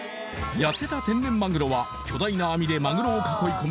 痩せた天然マグロは巨大な網でマグロを囲い込む